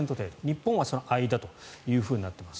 日本はその間というふうになっています。